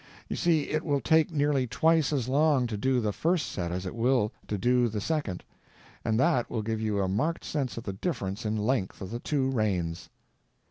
You see, it will take nearly twice as long to do the first set as it will to do the second, and that will give you a marked sense of the difference in length of the two reigns.